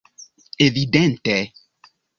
evidente